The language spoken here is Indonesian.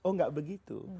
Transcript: oh tidak begitu